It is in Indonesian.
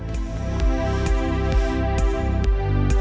padat hingga kumuh